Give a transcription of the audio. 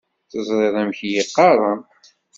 Teẓriḍ amek iyi-qqaren?